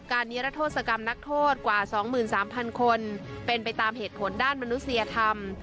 รัฐโทษกรรมนักโทษกว่าสองหมื่นสามพันคนเป็นไปตามเหตุผลด้านมนุษยธรรม